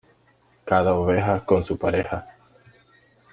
Cada oveja con su pareja.